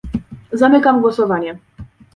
Zamykam głosowanie